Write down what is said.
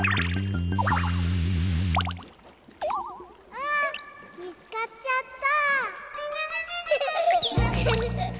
あみつかっちゃった。